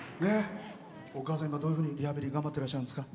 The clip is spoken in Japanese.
お母さん、今、どういうふうにリハビリ頑張ってらっしゃるんですか？